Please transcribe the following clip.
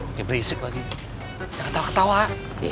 eh gak berisik lagi